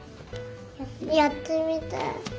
やってみたい。